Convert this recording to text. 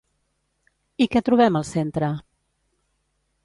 I què trobem al centre?